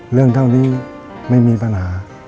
เรื่องเท่านี้ไม่มีปัญหา